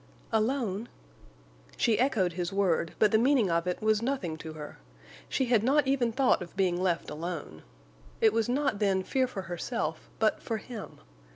"Alone?" She echoed his word, but the meaning of it was nothing to her. She had not even thought of being left alone. It was not, then, fear for herself, but for him.